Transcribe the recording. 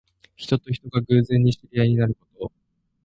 人と人とが偶然に知り合いになること。